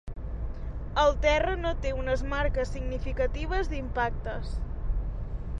El terra no té unes marques significatives d'impactes.